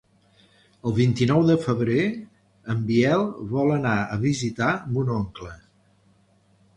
El vint-i-nou de febrer en Biel vol anar a visitar mon oncle.